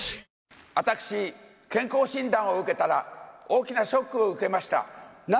私、健康診断を受けたら、大きなショックを受けました。